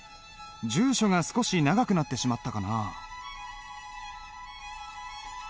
住所が少し長くなってしまったかな？